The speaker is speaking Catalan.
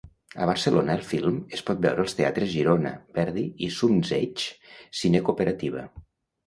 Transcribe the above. A Barcelona el film es pot veure als teatres Girona, Verdi i Zumzeig Cinecooperativa.